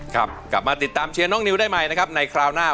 กลับมาติดตามเชียร์น้องนิวได้ใหม่นะครับในคราวหน้า